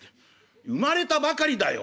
「生まれたばかりだよ。